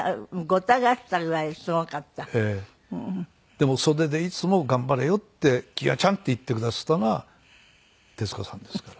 でも袖でいつも「頑張れよ」って「欣也ちゃん」って言ってくだすったのは徹子さんですから。